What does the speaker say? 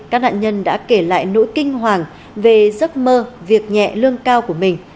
các nạn nhân đã kể lại nỗi kinh hoàng về giấc mơ việc nhẹ lương cao của mình